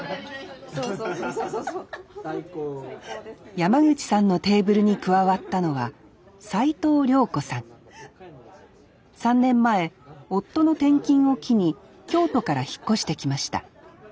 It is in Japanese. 山口さんのテーブルに加わったのは３年前夫の転勤を機に京都から引っ越してきました